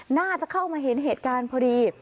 น่าจะเข้ามาเห็นเหตุการณ์พอดี